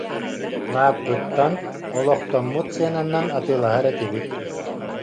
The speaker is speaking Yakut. Лааппыттан олохтоммут сыананан атыылаһар этибит.